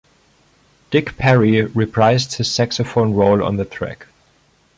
Dick Parry reprised his saxophone role on the track.